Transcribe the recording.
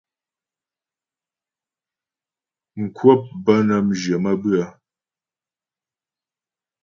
Mkwəp bə́ nə́ jyə̀ maə́bʉə́'ə.